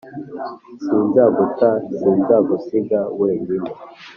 Sinzaguta sinzagusiga wenyine